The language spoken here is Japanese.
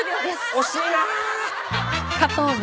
惜しいなぁ。